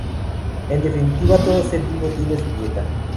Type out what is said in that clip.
En definitiva, todo ser vivo tiene su dieta.